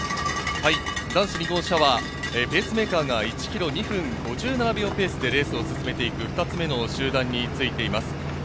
男子２号車はペースメーカーが１ｋｍ２分５７秒ペースでレースを進めていく２つ目の集団についています。